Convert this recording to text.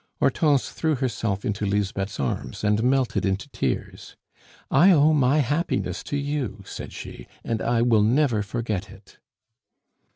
Hortense threw herself into Lisbeth's arms and melted into tears. "I owe my happiness to you," said she, "and I will never forget it."